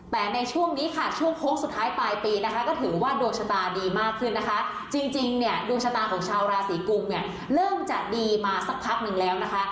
แต่ในช่วงนี้ค่ะช่วงโค้งสุดท้ายปลายปีนะคะก็ถือว่าดวงชะตาดีมากขึ้นนะคะจริงเนี่ยดวงชะตาของชาวราศีกุมเนี่ยเริ่มจะดีมาสักพักหนึ่งแล้วนะคะ